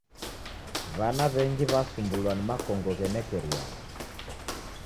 W'ana w'engi w'asumbulwa ni makongo ghenekeriana.